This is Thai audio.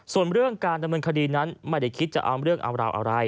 ส่วนเรื่องการดำเนินคดีนั้นไม่ได้คิดจะเอาเรื่องเอาราวอะไร